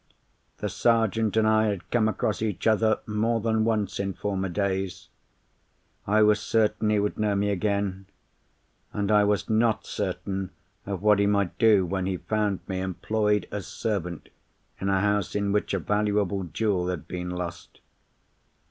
The Sergeant and I had come across each other more than once in former days. I was certain he would know me again—and I was not certain of what he might do when he found me employed as servant in a house in which a valuable jewel had been lost.